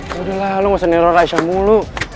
ya udah lah lu gak usah neror aisyah mulu